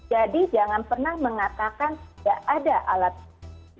jadi jangan pernah mengatakan tidak ada alat utama